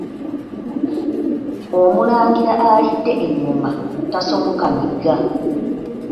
Omulangira alidde engoma tasomoka migga.